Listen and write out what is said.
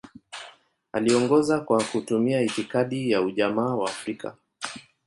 Aliongoza kwa kutumia itikadi ya Ujamaa wa Afrika.